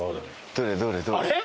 どれどれどれ？